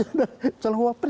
ini yang menurut saya menjadi